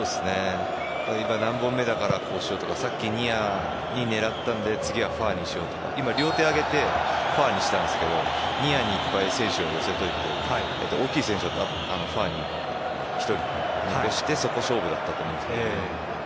今、何本目だからこうしようとかさっきニア狙ったので次、ファーにしようとか今、両手を上げてファーにしたんですがニアにいっぱい選手を寄せておいて大きい選手をファーに１人残してそこ勝負だったと思うんです。